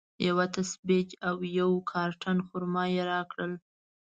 یوه تسبیج او یو کارټن خرما یې راکړل.